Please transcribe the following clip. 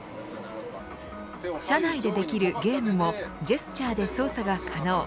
車内でできるゲームもジェスチャーで操作が可能。